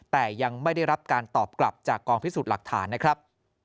แต่ยังไม่ได้รับการตอบกลับจากกองพิสูจน์หลักฐานนะครับ